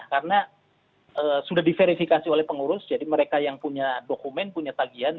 karena sudah diverifikasi oleh pengurus jadi mereka yang punya dokumen punya tagihan